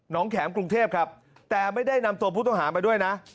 แข็มกรุงเทพครับแต่ไม่ได้นำตัวผู้ต้องหามาด้วยนะ